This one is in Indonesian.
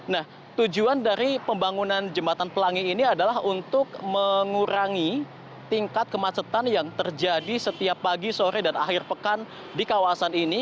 nah tujuan dari pembangunan jembatan pelangi ini adalah untuk mengurangi tingkat kemacetan yang terjadi setiap pagi sore dan akhir pekan di kawasan ini